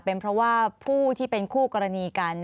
เป็นเพราะว่าผู้ที่เป็นคู่กรณีกัน